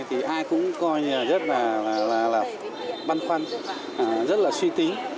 thì ai cũng coi như là rất là băn khoăn rất là suy tính